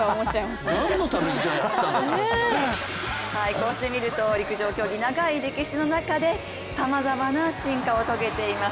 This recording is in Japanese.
こうして見ると、陸上競技、長い歴史の中でさまざまな進化を遂げています。